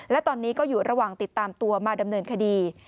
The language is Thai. และตอนนี้ก็อยู่ระหว่างติดตามตัวมาดำเนินคดี